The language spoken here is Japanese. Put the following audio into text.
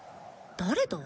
誰だ？